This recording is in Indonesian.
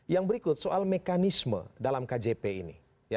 yang berikut soal mekanisme dalam kjp ini